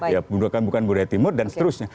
ya bukan budaya timur dan seterusnya